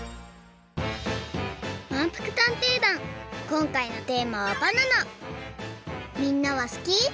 こんかいのテーマはみんなはすき？